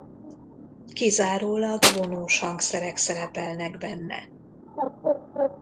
Kizárólag vonós hangszerek szerepelnek benne.